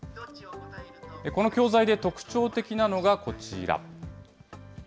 この教材で特徴的なのがこちら。